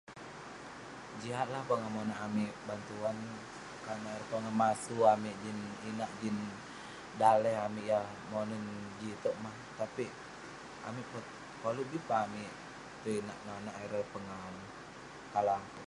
Jiak lah pongah monak amik bantuan, karna ireh pongah masu amik jin inak jin daleh amik yah monen jin itouk mah. Tapi amik, koluk bi peh amik tong inak nonak ireh pengawu. Kalau ak-